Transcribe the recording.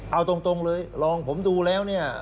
เอาตรงเลยลองผมดูแล้วเนี่ย